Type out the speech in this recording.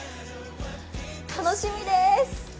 楽しみです。